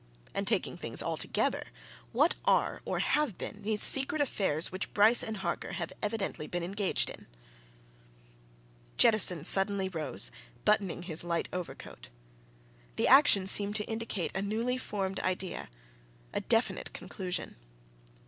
And taking things altogether; what are, or have been, these secret affairs which Bryce and Harker have evidently been engaged in?" Jettison suddenly rose, buttoning his light overcoat. The action seemed to indicate a newly formed idea, a definite conclusion.